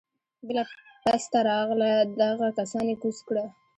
بله پسته راغله دغه کسان يې کوز کړه.